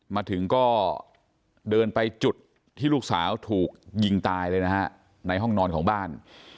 มาถึงก็เดินไปจุดที่ลูกสาวถูกยิงตายเลยนะฮะในห้องนอนของบ้าน